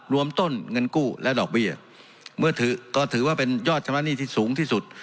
รวมต้นเงินกู้และดอกเบี้ยเมื่อถือก็ถือว่าเป็นยอดชำระหนี้ที่สูงที่สุด